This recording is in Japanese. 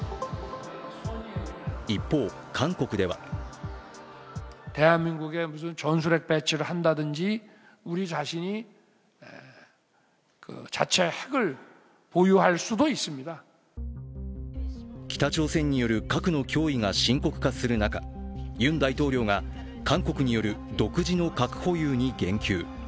一方、韓国では北朝鮮による核の脅威が深刻化する中ユン大統領が、韓国による独自の核保有に言及。